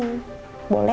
ya boleh boleh boleh